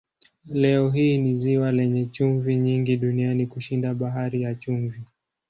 Leo hii ni ziwa lenye chumvi nyingi duniani kushinda Bahari ya Chumvi.